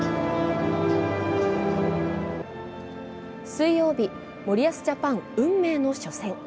水曜日、森保ジャパン、運命の初戦。